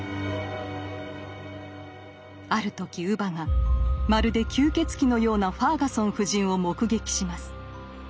ある時乳母がまるで吸血鬼のようなファーガソン夫人を目撃します。